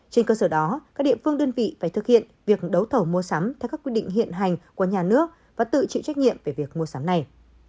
trên cơ sở đó các địa phương đơn vị phải thực hiện việc đấu thầu mua sắm theo các quy định hiện hành của nhà nước và tự chịu trách nhiệm về việc mua sắm này